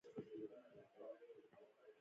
دا بنسټونه مالیه نه ورکوي.